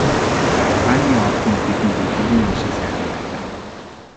Хааны ордон тэдэнд үлгэрийн юм шиг сайхан байлаа.